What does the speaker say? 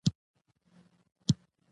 ستاسو د ښار نو څه دی ؟